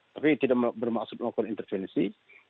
tapi tidak bermaksud melakukan intervensi